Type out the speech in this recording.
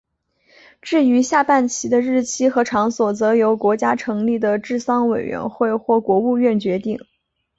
至于下半旗的日期和场所则由国家成立的治丧委员会或国务院决定。